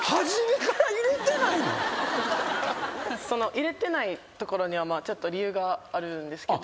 入れてないところにはちょっと理由があるんですけど。